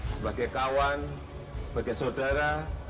sebagai kawan sebagai saudara